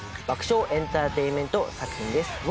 爆笑エンターテインメント作品です